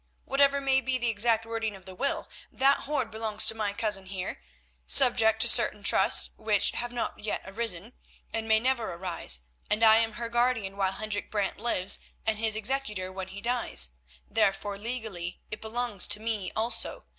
Whatever may be the exact wording of the will, that hoard belongs to my cousin here, subject to certain trusts which have not yet arisen, and may never arise, and I am her guardian while Hendrik Brant lives and his executor when he dies. Therefore, legally, it belongs to me also.